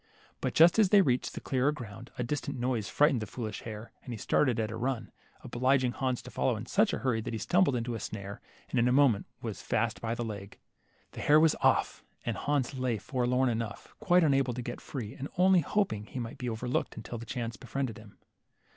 But just as they reached clearer ground, a distant noise fright ened the foolish hare, and he started at a run, obliging Hans to follow in such a hurry that he stumbled into a snare, and in a moment was fast by the leg. The hare was off, and Hans lay there forlorn enough, quite unable to get free, and only hoping he might be overlooked until chance befriended him.